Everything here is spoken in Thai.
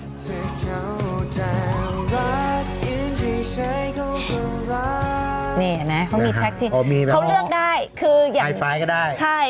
นี่เห็นไหมเขามีแท็กท์ที่เขาเลือกได้คืออย่างใช่